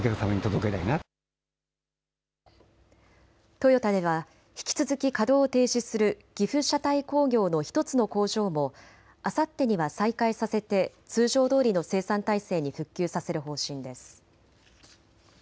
トヨタでは引き続き稼働を停止する岐阜車体工業の１つの工場もあさってには再開させて通常どおりの生産体制に復旧させる方針です。